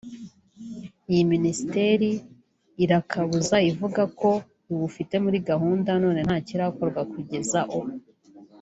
iyi Minisiteri irakabuza ivuga ko iwufite muri gahunda none ntakirakorwa kugeza ubu